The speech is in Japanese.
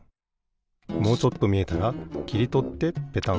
もうちょっとみえたらきりとってペタン。